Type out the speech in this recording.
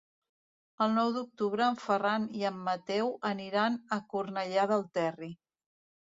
El nou d'octubre en Ferran i en Mateu aniran a Cornellà del Terri.